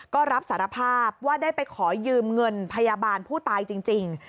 ก็รับสารภาพว่าได้ไปขอยืมเงินพยาบาลผู้ตายจริง